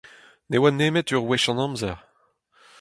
Ne oa nemet ur wech an amzer.